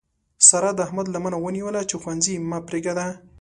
سارا د احمد لمنه ونیوله چې ښوونځی مه پرېږده.